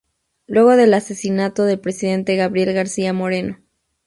Luego del asesinato del presidente Gabriel García Moreno.